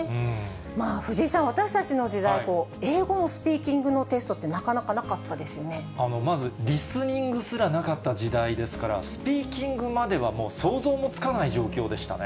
まあ、藤井さん、私たちの時代、英語のスピーキングのテストってなかなかなかったまず、リスニングすらなかった時代ですから、スピーキングまではもう想像もつかない状況でしたね。